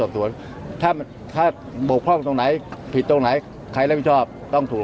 ตราบใดที่ตนยังเป็นนายกอยู่